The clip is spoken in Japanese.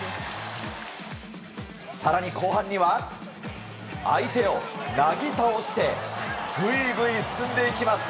更に、後半には相手をなぎ倒してグイグイ進んでいきます。